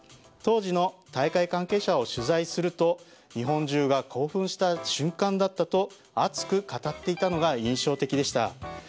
当時の大会関係者を取材すると日本中が興奮した瞬間だったと熱く語っていたのが印象的でした。